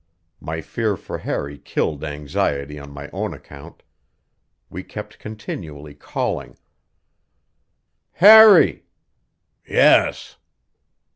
My fear for Harry killed anxiety on my own account. We kept continually calling: "Harry!" "Yes."